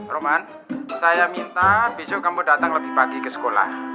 roman saya minta besok kamu datang lebih pagi ke sekolah